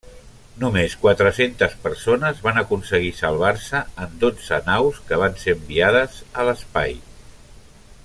Només quatre-centes persones van aconseguir salvar-se en dotze naus que van ser enviades a l'espai.